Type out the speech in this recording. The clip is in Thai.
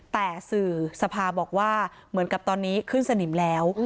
แต่สื่อสภาบอกว่าเหมือนกับตอนนี้ขึ้นสนิมแล้ว